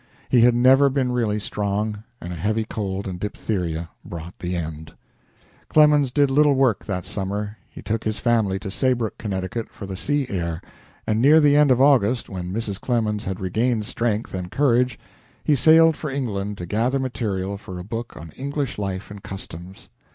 He had never been really strong, and a heavy cold and diphtheria brought the end. Clemens did little work that summer. He took his family to Saybrook, Connecticut, for the sea air, and near the end of August, when Mrs. Clemens had regained strength and courage, he sailed for England to gather material for a book on English life and customs.